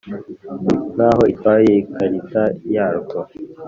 nk’aho itwaye ikarita yarwo